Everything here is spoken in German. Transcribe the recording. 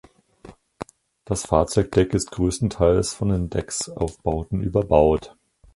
Das Fahrzeugdeck ist größtenteils von den Decksaufbauten überbaut.